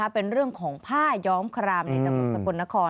เป็นเรื่องของผ้าย้อมครามในจังหวัดสกลนคร